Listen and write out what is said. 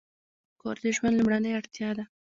کور د ژوند لومړنۍ اړتیا ده.